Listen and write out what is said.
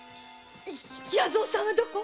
弥蔵さんはどこ！？